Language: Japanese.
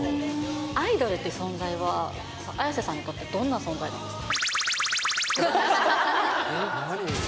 アイドルって存在は、Ａｙａｓｅさんにとってどんな存在なんですか。